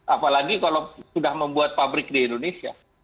apalagi kalau sudah membuat pabrik di indonesia